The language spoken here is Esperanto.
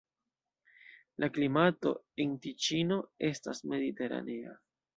La klimato en Tiĉino estas mediteranea.